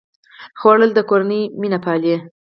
خوړل د کورنۍ مینه پالي